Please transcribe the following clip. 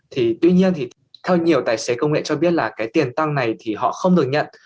thì tuy nhiên thì theo nhiều tài xế công nghệ cho biết là cái tiền tăng này thì họ không được nhận